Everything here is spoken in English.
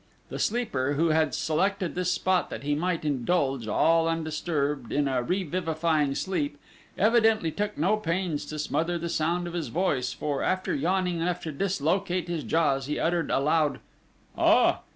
The sleeper, who had selected this spot that he might indulge, all undisturbed, in a revivifying sleep, evidently took no pains to smother the sound of his voice, for, after yawning enough to dislocate his jaws, he uttered a loud: "Ah!"